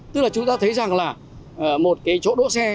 tức là chúng ta thấy rằng là một cái chỗ đỗ xe